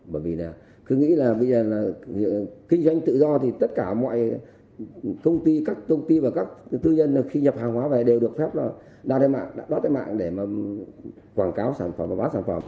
bởi vì cứ nghĩ là bây giờ là kinh doanh tự do thì tất cả mọi công ty các công ty và các tư nhân khi nhập hàng hóa về đều được phép đoán đến mạng để mà quảng cáo sản phẩm bán sản phẩm